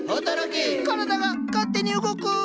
体が勝手に動く！